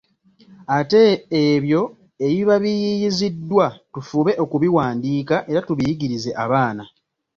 Ate ebyo ebiba biyiiyiziddwa tufube okubiwandiika era tubiyigirize abaana.